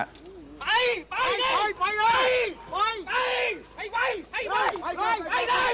ไปไปเลยไปไว้ไปไว้